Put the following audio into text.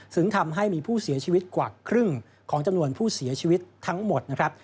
ซึ่งทำให้มีผู้เสียชีวิตกว่าครึ่งของจำนวนผู้เสียชีวิตทั้งหมดนะครับ